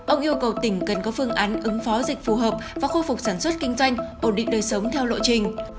ông yêu cầu tỉnh cần có phương án ứng phó dịch phù hợp và khôi phục sản xuất kinh doanh ổn định đời sống theo lộ trình